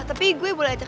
tapi gue boleh ajak